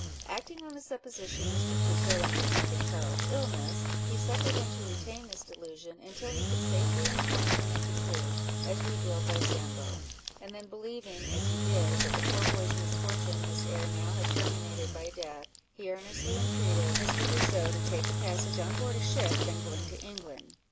Acting on the supposition Mr. Crusoe entertained of Charles's illness, he suffered him to retain this delusion, until he could safely inform him of the truth, as revealed by Sambo; and then believing, as he did, that the poor boy's misfortunes must ere now have terminated by death, he earnestly entreated Mr. Crusoe to take a passage on board a ship then going to England.